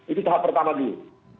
itu tahap pertama dulu